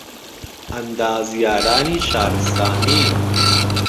ئەندازیارانی شارستانی